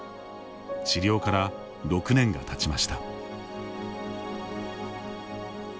治療から６年がたちました。